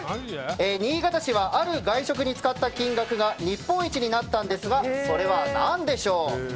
新潟市はある外食に使った金額が日本一になったんですがそれは何でしょう？